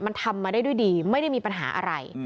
มันทำมาได้ด้วยดีไม่ได้มีปัญหาอะไร